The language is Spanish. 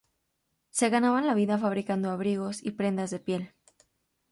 Se ganaban la vida fabricando abrigos y prendas de piel.